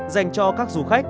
dành cho các du khách